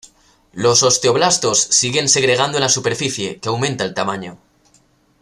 Los osteoblastos siguen segregando en la superficie, que aumenta el tamaño.